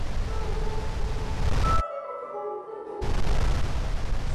Fue editor de poesía de "Transatlantic Review" durante muchos años.